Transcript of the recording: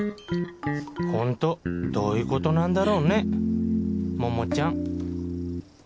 ホントどういうことなんだろうね桃ちゃん